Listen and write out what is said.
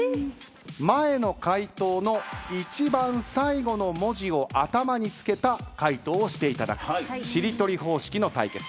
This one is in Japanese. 前の回答の一番最後の文字を頭に付けた回答をしていただくしりとり方式の対決。